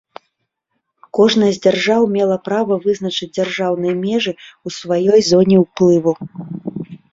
Кожная з дзяржаў мела права вызначыць дзяржаўныя межы ў сваёй зоне ўплыву.